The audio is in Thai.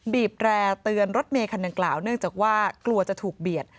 บีบแร่เตือนรถเมคันดังกล่าวเนื่องจากว่ากลัวจะถูกเบียด